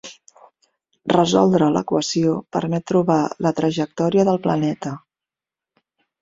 Resoldre l'equació permet trobar la trajectòria del planeta.